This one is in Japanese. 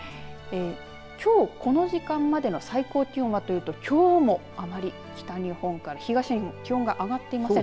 きょう、この時間までの最高気温はというときょうもあまり北日本から東日本気温が上がっていません。